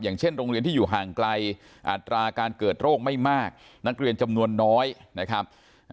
อย่างเช่นโรงเรียนที่อยู่ห่างไกลอัตราการเกิดโรคไม่มากนักเรียนจำนวนน้อยนะครับ